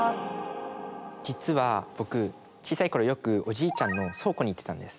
実は僕小さい頃よくおじいちゃんの倉庫に行ってたんです。